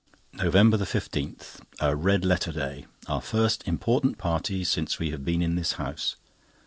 NOVEMBER 15.—A red letter day. Our first important party since we have been in this house.